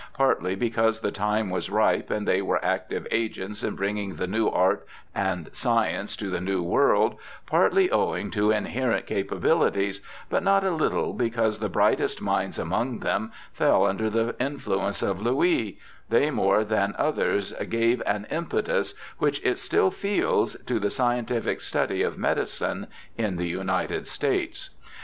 Partly because the time was ripe and they were active agents in bringing the new art and science to the New World, partly owing to inherent capabilities, but not a little because the brightest minds among them fell under the influence of Louis — they more than any others gave an impetus, which it still feels, to the scientific study of medicine in the United States.